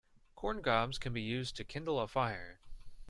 Corn cobs can be used to kindle a fire.